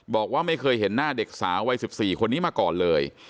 บอกว่าไม่เคยเห็นหน้าเด็กสาววัย๑๔คนนี้มาก่อนเลย